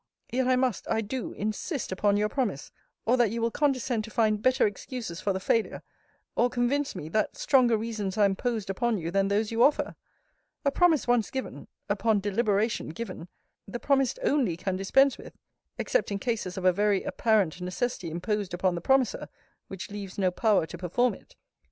Yet, I must, I do, insist upon your promise or that you will condescend to find better excuses for the failure or convince me, that stronger reasons are imposed upon you, than those you offer. A promise once given (upon deliberation given,) the promised only can dispense with; except in cases of a very apparent necessity imposed upon the promiser, which leaves no power to perform it.